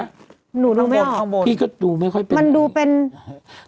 หนูดูไม่ออกข้างบนข้างบนพี่ก็ดูไม่ค่อยเป็นมันดูเป็นแสง